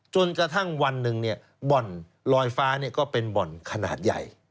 จนกระทั่งวันหนึ่งบ่อนลอยฟ้าก็เป็นบ่อนขนาดใหญ่